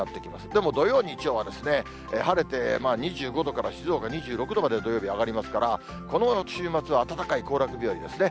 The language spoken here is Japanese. でも土曜、日曜は晴れて２５度から静岡２６度まで、土曜日上がりますから、この週末は暖かい行楽日和ですね。